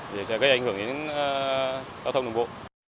để gây ảnh hưởng đến giao thông đường bộ